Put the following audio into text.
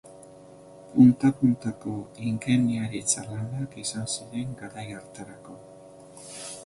Punta-puntako ingeniaritza-lanak izan ziren garai hartarako.